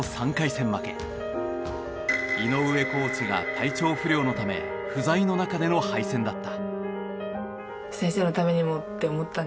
井上コーチが体調不良のため不在の中での敗戦だった。